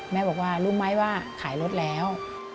แม่บอกว่ารู้ไหมว่าขายรถแล้ว